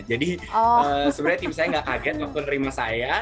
jadi sebenarnya tim saya gak kaget waktu nerima saya